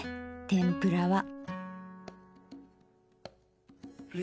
天ぷらは。